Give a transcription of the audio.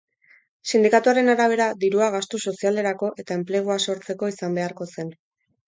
Sindikatuaren arabera, dirua gastu sozialerako eta enplegua sortzeko izan beharko zen.